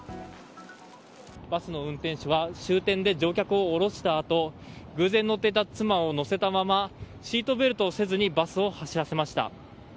バスの運転手は終点で乗客を降ろしたあと偶然乗っていた妻を乗せたままシートベルトをせずにバスを走らせました。